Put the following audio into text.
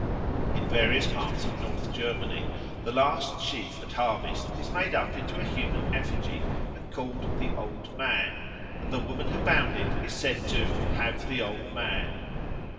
In various parts of North Germany the last sheaf at harvest is made up into a human effigy and called "the Old Man"; and the woman who bound it is said "to have the Old Man."